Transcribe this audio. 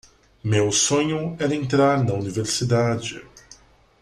Meu sonho era entrar na universidade